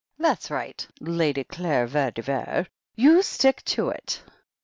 "That's right. Lady Clara Vere de Vere. You stick to it!"